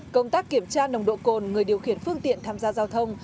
công tác kiểm tra nồng độ cồn người điều khiển phương tiện tham gia giao thông